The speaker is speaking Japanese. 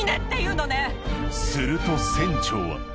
すると船長は。